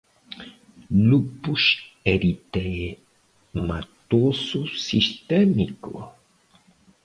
Lupus Eritematoso Sistémico